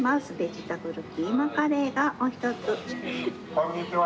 「こんにちは。